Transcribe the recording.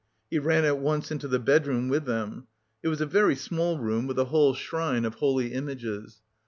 He ran at once into the bedroom with them. It was a very small room with a whole shrine of holy images.